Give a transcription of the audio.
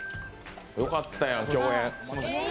よかったやん、共演。